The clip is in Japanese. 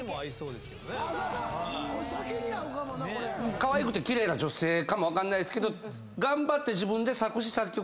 かわいくて奇麗な女性かもわかんないですけど。